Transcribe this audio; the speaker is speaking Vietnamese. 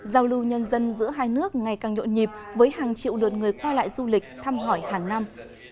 giao lưu nhân dân giữa hai nước ngày càng nhộn nhịp với hàng triệu lượt người qua lại du lịch thăm hỏi hàng năm